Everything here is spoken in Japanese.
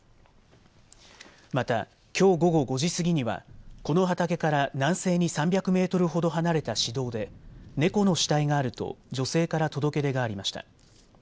また、きょう午後５時過ぎにはこの畑から南西に３００メートルほど離れた市道で猫の死体があると女性から届け出がありました。